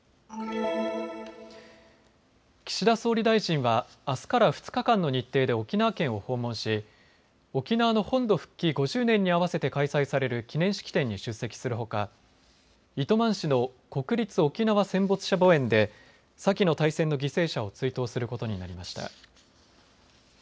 岸田総理大臣はあすから２日間の日程で沖縄県を訪問し沖縄の本土復帰５０年に合わせて開催される記念式典に出席するほか糸満市の国立沖縄戦没者墓苑で先の大戦の犠牲者を追悼することになりました。